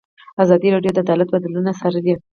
ازادي راډیو د عدالت بدلونونه څارلي.